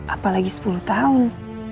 apalagi sepuluh tahun